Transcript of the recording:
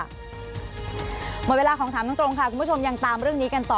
หมดเวลาของถามตรงค่ะคุณผู้ชมยังตามเรื่องนี้กันต่อ